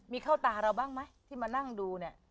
มีเข้าตาเราบ้างไหมที่มานั่งดูเนี่ย